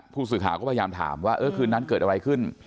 ผู้สื่อข่าวก็พยายามถามว่าเออคืนนั้นเกิดอะไรขึ้น